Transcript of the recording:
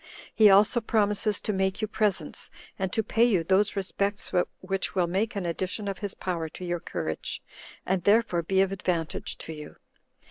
He also promises to make you presents, and to pay you those respects which will make an addition of his power to your courage, and thereby be of advantage to you."